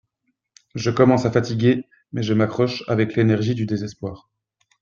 Je commence à fatiguer mais je m'accroche avec l'énergie du désespoir